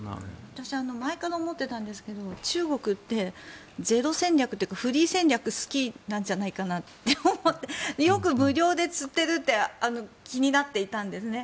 私前から思ってたんですけど中国ってゼロ戦略っていうかフリー戦略が好きなんじゃないかって思ってよく無料で釣ってるって気になっていたんですね。